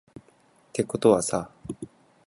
てことはさ